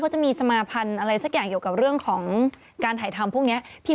ว่าเอาล่ะความฝันของเรานี่